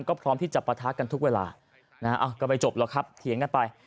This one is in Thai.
ก็พร้อมที่จะประทักษ์กันทุกเวลานะฮะอ้าวก็ไปจบแล้วครับเถียงกันไป